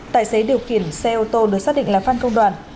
tài xế điều khiển xe ô tô được xác định là phan công đoàn